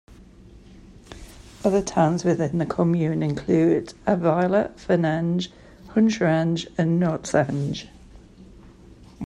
Other towns within the commune include Abweiler, Fennange, Huncherange, and Noertzange.